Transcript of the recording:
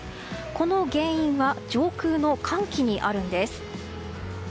この原因は上空の寒気にあるんです。